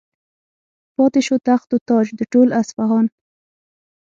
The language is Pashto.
پاتې شو تخت و تاج د ټول اصفهان.